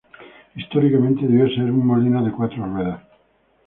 Históricamente debió ser un molino de cuatro ruedas.